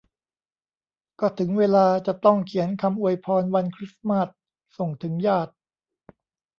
ก็ถึงเวลาจะต้องเขียนคำอวยพรวันคริสต์มาสส่งถึงญาติ